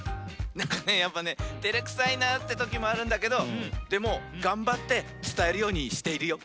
なんかねやっぱねてれくさいなってときもあるんだけどでもがんばってつたえるようにしているよ。